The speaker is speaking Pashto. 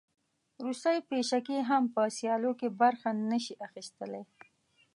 روسۍ پیشکې هم په سیالیو کې برخه نه شي اخیستلی.